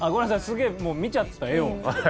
すげえもう見ちゃった絵を。